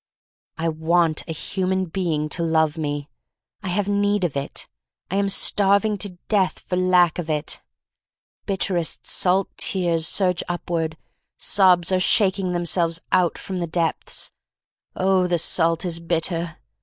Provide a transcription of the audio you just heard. I want a human being to love me. I have need of it. . I am starving to death for lack of it. Bitterest salt tears surge upward — sobs are shaking themselves out fronx 3l8 THE STORY OF MARY MAC LANE the depths. Oh, the salt is bitter.